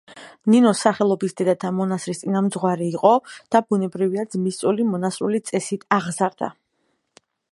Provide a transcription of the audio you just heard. ნინოს სახელობის დედათა მონასტრის წინამძღვარი იყო და ბუნებრივია ძმისწული მონასტრული წესით აღზარდა.